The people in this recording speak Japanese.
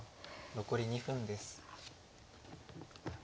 残り２分です。